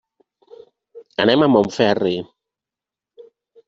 Anem a Montferri.